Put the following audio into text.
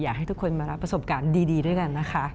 อยากให้ทุกคนมารับประสบการณ์ดีด้วยกันนะคะ